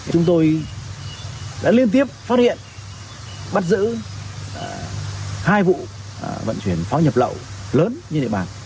chúng tôi đã liên tiếp phát hiện bắt giữ hai vụ vận chuyển pháo nhập lậu lớn như địa bàn